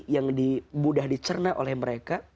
yang mudah dicerna oleh mereka